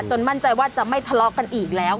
มั่นใจว่าจะไม่ทะเลาะกันอีกแล้ว